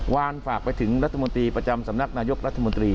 วานฝากไปถึงรัฐมนตรีประจำสำนักนายกรัฐมนตรี